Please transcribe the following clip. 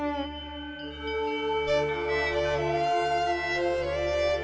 ให้พี่ดูกังในวันของพี่